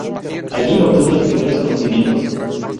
Allí obtuvo los primeros conocimientos.